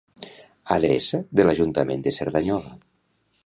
Adreça de l'Ajuntament de Cerdanyola.